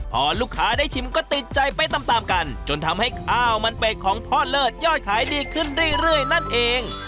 พอลูกค้าได้ชิมก็ติดใจไปตามตามกันจนทำให้ข้าวมันเป็ดของพ่อเลิศยอดขายดีขึ้นเรื่อยนั่นเอง